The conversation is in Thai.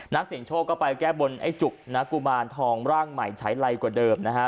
นักเสียงโชคก็ไปแก้บนไอ้จุกนักกุมารทองร่างใหม่ใช้ไรกว่าเดิมนะฮะ